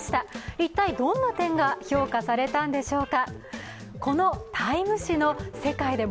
一体どんな点が評価されたんでしょうか。